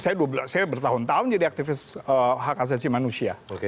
saya bertahun tahun jadi aktivis hak asasi manusia